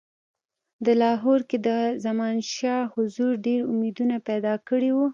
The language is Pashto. د لاهور کې د زمانشاه حضور ډېر امیدونه پیدا کړي وه.